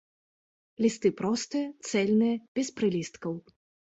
Лісты простыя, цэльныя, без прылісткаў.